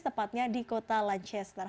tepatnya di kota lanchester